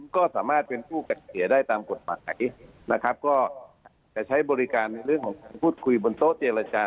ก็สามารถเป็นผู้จัดเสียได้ตามกฎหมายนะครับก็จะใช้บริการในเรื่องของการพูดคุยบนโต๊ะเจรจา